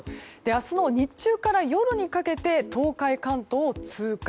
明日の日中から夜にかけて東海・関東を通過。